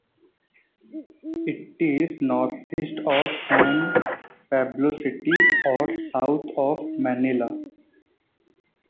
It is northeast of San Pablo City, or south of Manila.